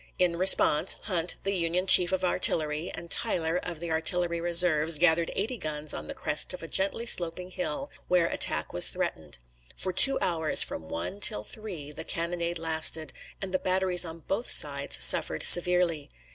In response, Hunt, the Union chief of artillery, and Tyler, of the artillery reserves, gathered eighty guns on the crest of the gently sloping hill, where attack was threatened. For two hours, from one till three, the cannonade lasted, and the batteries on both sides suffered severely.